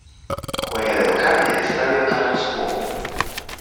Juega de local en el estadio Carlos Cuomo.